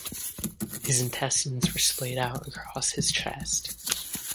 His intestines were splayed out across his chest.